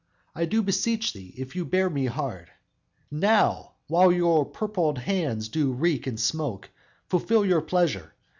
I do beseech ye, if you bear me hard, Now, while your purpled hands do reek and smoke, Fulfill your pleasure.